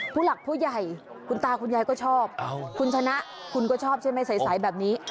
ผู้หลักผู้ใหญ่คุณตาคุณยายก็ชอบคุณชนะคุณก็ชอบใช่ไหมใสแบบนี้